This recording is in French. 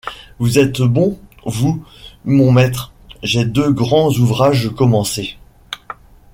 Vous êtes bon, vous, mon maître! j’ai deux grands ouvrages commencés.